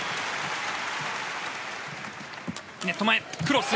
ネット前、クロス。